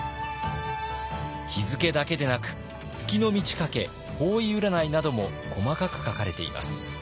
日付だけでなく月の満ち欠け方位占いなども細かく書かれています。